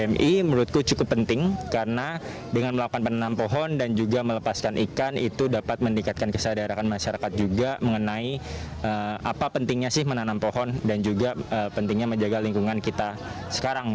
pmi menurutku cukup penting karena dengan melakukan penanam pohon dan juga melepaskan ikan itu dapat meningkatkan kesadaran masyarakat juga mengenai apa pentingnya sih menanam pohon dan juga pentingnya menjaga lingkungan kita sekarang